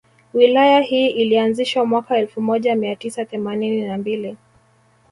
Wilaya hii ilianzishwa mwaka elfu moja mia tisa themanini na mbili